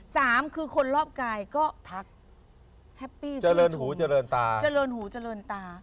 สามคือคนรอบกายก็ทักแฮปปี้เจริญหูเจริญตาเจริญหูเจริญตา